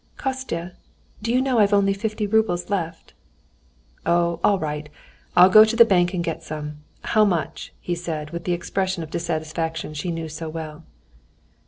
"Kostya, do you know I've only fifty roubles left?" "Oh, all right, I'll go to the bank and get some. How much?" he said, with the expression of dissatisfaction she knew so well.